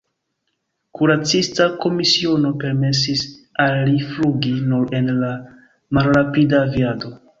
Kuracista komisiono permesis al li flugi nur en la malrapida aviado.